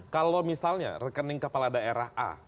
kalau misalnya rekening kepala daerah a